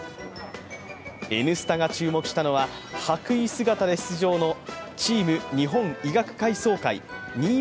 「Ｎスタ」が注目したのは白衣姿で出場のチーム日本医学会総会２０２３。